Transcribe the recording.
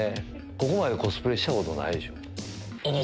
ここまでコスプレしたことないでしょ？